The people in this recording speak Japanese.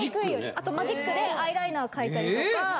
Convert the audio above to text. あとマジックでアイライナー描いたりとか。